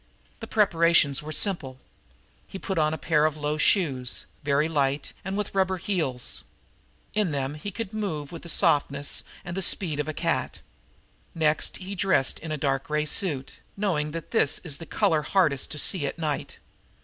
The preparations were simple. He put on a pair of low shoes, very light and with rubber heels. In them he could move with the softness and the speed of a cat. Next he dressed in a dark gray suit, knowing that this is the color hardest to see at night.